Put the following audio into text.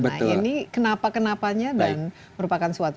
nah ini kenapa kenapanya dan merupakan suatu